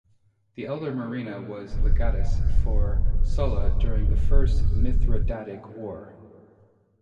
The elder Murena was a "legatus" for Sulla during the First Mithridatic War.